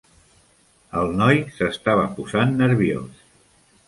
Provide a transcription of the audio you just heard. El noi s'estava posant nerviós.